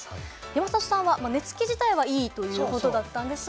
山里さんは寝付き自体はいいということだったんですが。